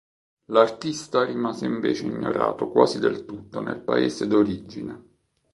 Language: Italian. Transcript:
L'artista rimase invece ignorato quasi del tutto nel paese d'origine.